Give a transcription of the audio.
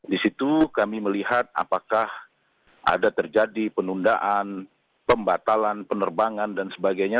di situ kami melihat apakah ada terjadi penundaan pembatalan penerbangan dan sebagainya